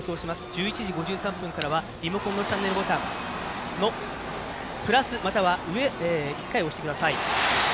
１１時５３分からはリモコンのチャンネルボタンプラスまたは上１回押してください。